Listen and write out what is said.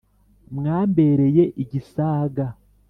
mwambereye igisaga